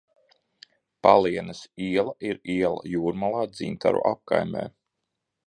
Palienes iela ir iela Jūrmalā, Dzintaru apkaimē.